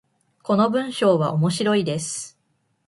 この文章は面白いです。